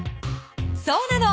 そうなの。